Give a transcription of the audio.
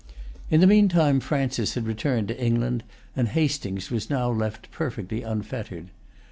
In the meantime Francis had returned to England, and Hastings was now left perfectly unfettered.